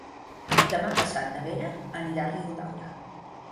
Demà passat na Vera anirà a Riudaura.